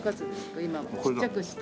今ちっちゃくして。